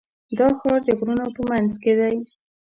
دا ښار د غرونو په منځ کې دی.